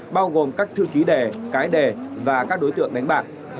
bao gồm các thư ký đẻ cái đẻ và các đối tượng đánh bạc